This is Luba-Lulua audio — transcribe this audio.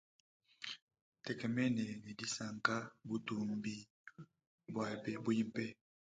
Ntekemene ne disanka butumbi bwabe bwimpe.